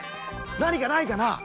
なにかないかな？